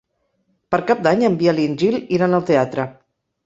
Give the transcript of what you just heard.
Per Cap d'Any en Biel i en Gil iran al teatre.